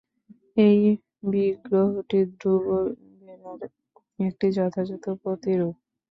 এই বিগ্রহটি ধ্রুব বেরার একটি যথাযথ প্রতিরূপ।